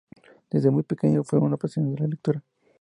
Desde muy pequeño fue un apasionado de la lectura.